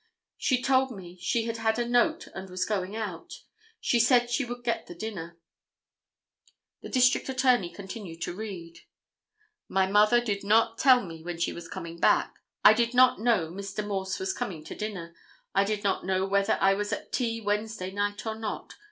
"She told me she had had a note and was going out. She said she would get the dinner." The District Attorney continued to read: "My mother did not tell when she was coming back. I did not know Mr. Morse was coming to dinner. I don't know whether I was at tea Wednesday night or not.